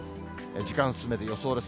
時間進めて、予想です。